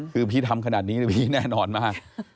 คือพี่ทำขนาดนี้พี่แน่นอนมาก